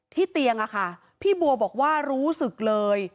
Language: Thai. เตียงอะค่ะพี่บัวบอกว่ารู้สึกเลย